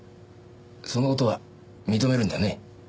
その事は認めるんだね？